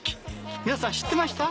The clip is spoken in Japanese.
皆さん知ってました？